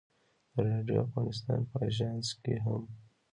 د راډیو افغانستان په اژانس کې هم.